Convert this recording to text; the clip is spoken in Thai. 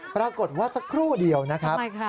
ปรากฏว่าสักครู่เดียวนะครับ